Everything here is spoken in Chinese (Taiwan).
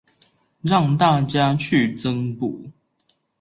讓大家去增補